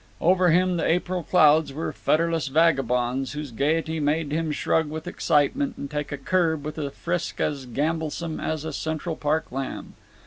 Over him the April clouds were fetterless vagabonds whose gaiety made him shrug with excitement and take a curb with a frisk as gambolsome as a Central Park lamb.